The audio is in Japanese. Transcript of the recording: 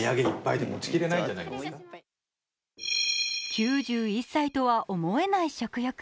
９１歳とは思えない食欲。